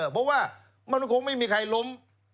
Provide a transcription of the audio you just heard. เพราะว่ามันคงไม่มีใครล้ม